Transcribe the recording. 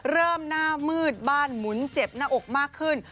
เริ่มหน้ามืดบ้านหมุนเจ็บหน้าอกมากขึ้น